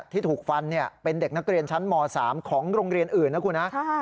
ที่ถูกฟันเป็นเด็กนักเรียนชั้นม๓ของโรงเรียนอื่นนะคุณฮะ